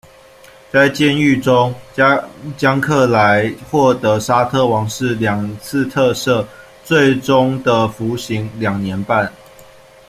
在监狱中，江克莱获得沙特王室两次特赦，最终的服刑两年半。